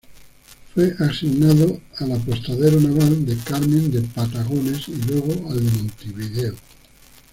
Fue asignado al apostadero naval de Carmen de Patagones y luego al de Montevideo.